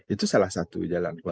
itu salah satu jalan